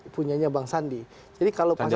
punyanya bang sandi